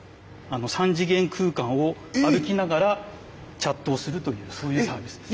３次元空間を歩きながらチャットをするというそういうサービスです。